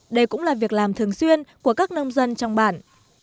đây cũng là việc làm thường xuyên của các nông dân trong bản